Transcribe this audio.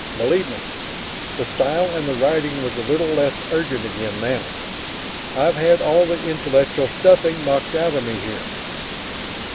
Believe me (the style and the writing was a little less urgent again now), I've had all the intellectual stuffing knocked out of me here.